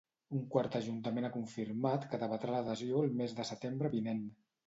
Un quart ajuntament ha confirmat que debatrà l'adhesió el mes de setembre vinent.